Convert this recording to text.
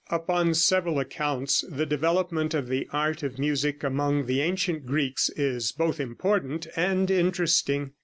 Upon several accounts the development of the art of music among the ancient Greeks is both important and interesting.